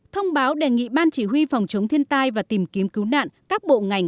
thông báo đề nghị ban chỉ huy phòng chống thiên tai và tìm kiếm cứu nạn các bộ ngành